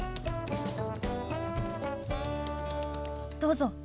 どうぞ。